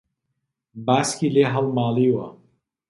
باسکی لێ هەڵماڵیوە